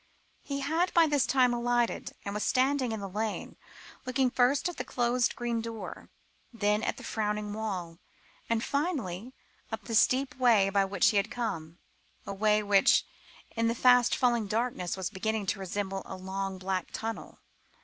He had by this time alighted, and was standing in the lane, looking first at the closed green door, then at the frowning wall, and finally up the steep way by which he had come a way which, in the fast falling darkness, was beginning to resemble a long black tunnel.